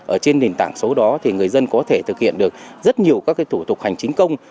ở trên nền tảng số đó thì người dân có thể thực hiện được rất nhiều các thủ tục hành chính công